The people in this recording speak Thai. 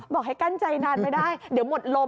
บอกให้กั้นใจนานไม่ได้เดี๋ยวหมดลม